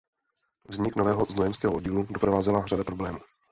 Vznik nového znojemského oddílu doprovázela řada problémů.